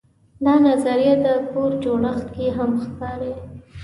دا نظریه د کور جوړښت کې هم ښکاري.